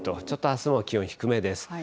ちょっとあすも気温低めです。